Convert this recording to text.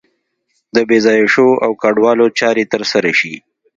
د بې ځایه شویو او کډوالو چارې تر سره شي.